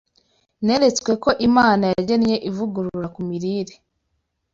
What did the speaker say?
Neretswe ko Imana yagennye ivugurura ku mirire